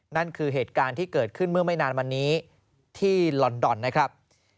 นั่นคือเหตุการณ์ที่เกิดขึ้นเมื่อไม่นานมานี้ที่ลอนดอนนะครับ